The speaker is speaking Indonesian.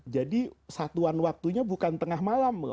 jadi satuan waktunya bukan tengah malam loh